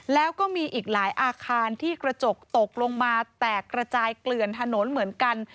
แล้วก็มีอีกหลายอาคารที่กระจกตกลงมาแตกระจายเกลื่อนถนนเหมือนกัน